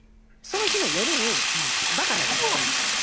その日の夜にバカラに行くんですよ。